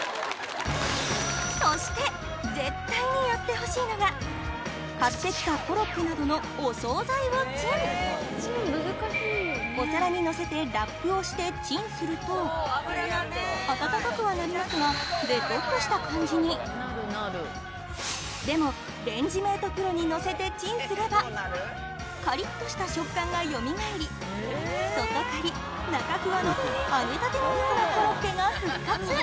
そして買ってきたコロッケなどのお総菜をチン！をしてチンすると温かくはなりますがべとっとした感じにでもレンジメートプロにのせてチンすればカリっとした食感がよみがえり外カリ中フワの揚げたてのようなコロッケが復活！